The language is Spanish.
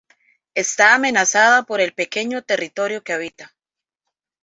Está amenazada por el pequeño territorio que habita.